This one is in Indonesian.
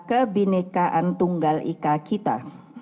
kebhinnekaan tunggal ika kita